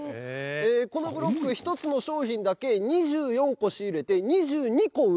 このブロック１つの商品だけ２４個仕入れて２２個売れております。